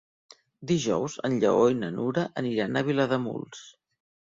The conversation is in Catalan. Dijous en Lleó i na Nura aniran a Vilademuls.